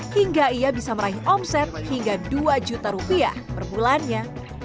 hingga ia bisa meraih omset hingga dua juta rupiah per bulannya